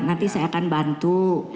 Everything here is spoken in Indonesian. nanti saya akan bantu